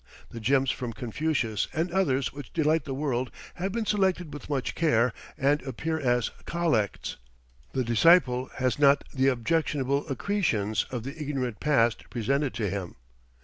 The gems from Confucius and others which delight the world have been selected with much care and appear as "collects." The disciple has not the objectionable accretions of the ignorant past presented to him.